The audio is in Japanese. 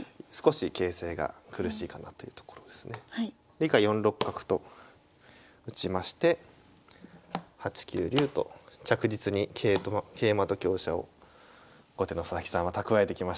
以下４六角と打ちまして８九竜と着実に桂馬と香車を後手の佐々木さんは蓄えてきました